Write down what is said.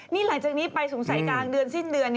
นี่หลังจากนี้ไปสงสัยกลางเดือนสิ้นเดือน